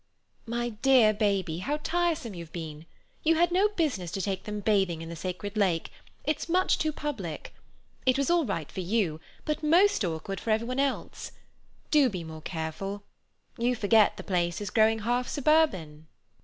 "My dear baby, how tiresome you've been! You have no business to take them bathing in the Sacred Lake; it's much too public. It was all right for you but most awkward for everyone else. Do be more careful. You forget the place is growing half suburban."